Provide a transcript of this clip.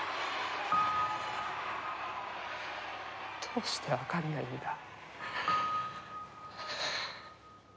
どうしてわかんないんだ。